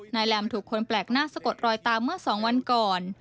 แหลมถูกคนแปลกหน้าสะกดรอยตามเมื่อ๒วันก่อน